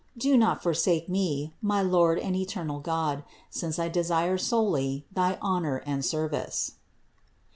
Do not forsake me, my Lord and eternal God, since I desire solely thy honor and service."